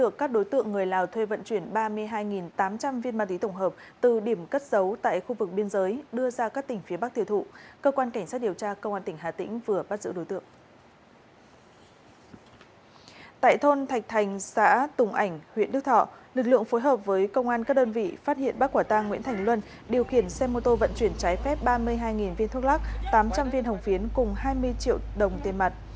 tại thôn thạch thành xã tùng ảnh huyện đức thọ lực lượng phối hợp với công an các đơn vị phát hiện bác quả tang nguyễn thành luân điều khiển xe mô tô vận chuyển trái phép ba mươi hai viên thuốc lắc tám trăm linh viên hồng phiến cùng hai mươi triệu đồng tiền mặt